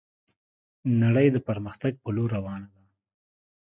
نړي د پرمختګ په لور روانه ده